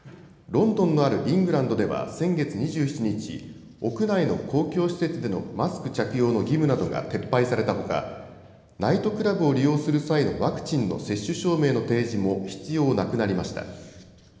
ロンドンのあるイングランドでは先月２７日、屋内の公共施設でのマスク着用の義務などが撤廃されたほか、ナイトクラブを利用する際のワクチンの接種証明の提示も必要なくなりました。